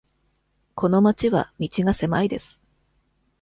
この町は道が狭いです。